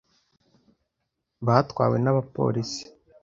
Batwawe n'abapolisi.